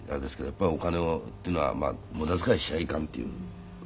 やっぱりお金っていうのは無駄遣いしちゃいかんっていう。